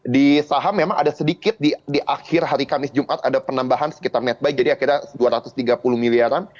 di saham memang ada sedikit di akhir hari kamis jumat ada penambahan sekitar netbuy jadi akhirnya dua ratus tiga puluh miliaran